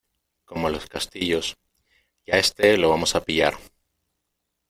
como los castillos. y a este lo vamos a pillar .